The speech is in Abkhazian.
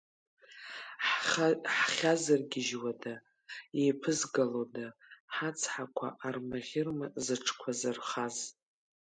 Ҳхьазыргьежьуада, еиԥызгалода ҳацҳақәа, армаӷьырма зыҿқәа зырхаз?